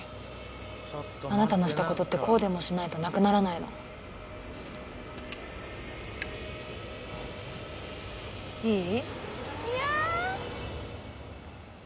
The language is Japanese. あなたのしたことってこうでもしないとなくならないのいい？